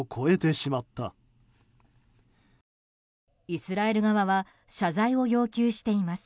イスラエル側は謝罪を要求しています。